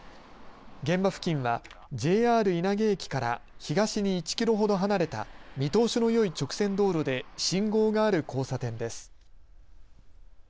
現場付近はＪＲ稲毛駅から東に１キロほど離れた見通しのよい直線道路で信号がある交差点です。